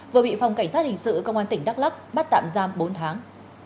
vừa bị phòng cảnh sát hình sự công an tỉnh đắk lắc bắt tạm giam bốn tháng